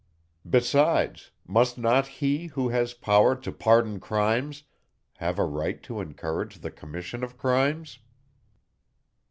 Besides, must not he, who has power to pardon crimes, have a right to encourage the commission of crimes?